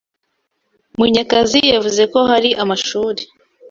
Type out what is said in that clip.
Munyakazi yavuze ko hari amashuri